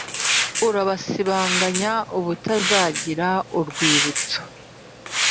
urabasibanganya ubutazagira urwibutso.